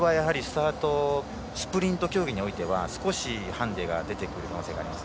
スプリント競技においては少しハンディが出てくる可能性があります。